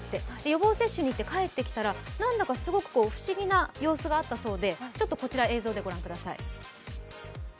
予防接種に行って帰ってきたら、なんだかすごく不思議な様子があったそうで映像でご覧ください。